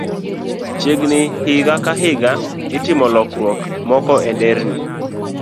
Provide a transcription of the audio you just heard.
Chiegni ni higa ka higa, itimo lokruok moko e nderni